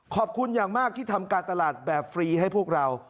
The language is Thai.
ขอบคุณอย่างมากที่ทำการตลาดแบบฟรีให้พวกเรา